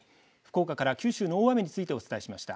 福岡から九州の大雨についてお伝えしました。